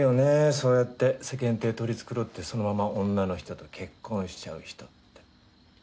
そうやって世間体取り繕ってそのまま女の人と結婚しちゃう人って。